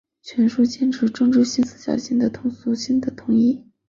全书坚持政治性、思想性和通俗性的统一